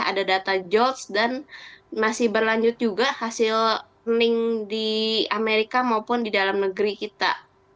ada data george dan masih berlanjut juga hasil ning di amerika maupun di dalam negeri kita